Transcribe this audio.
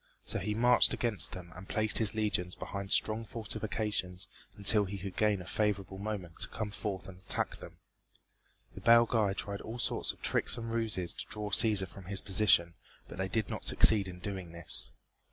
So he marched against them and placed his legions behind strong fortifications until he could gain a favorable moment to come forth and attack them. The Belgæ tried all sorts of tricks and ruses to draw Cæsar from his position, but they did not succeed in doing this.